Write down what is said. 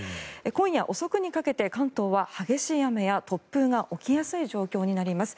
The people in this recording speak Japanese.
今夜遅くにかけて関東は激しい雨や突風が起きやすい状況になります。